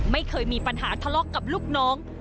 ไม่เคยมีปัญหาทะเลาะกับลูกน้อง